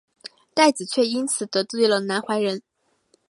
戴梓却因此得罪了南怀仁。